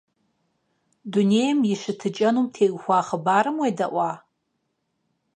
Дунейм и щытыкӏэнум теухуа хъыбарым уедэӏуа?